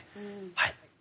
はい。